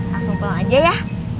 langsung pulang aja ya